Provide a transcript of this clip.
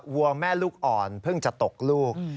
วัวแม่ลูกอ่อนเพิ่งจะตกลูก